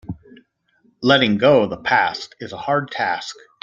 Letting go of the past is a hard task.